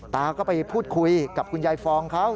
ตาก็ไปพูดคุยกับคุณยายฟองเขา